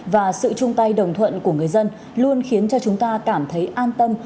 và sự chung tay đồng thuận của người dân luôn khiến cho chúng ta cảm thấy an tâm